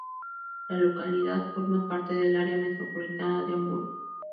La localidad forma parte del Área metropolitana de Hamburgo.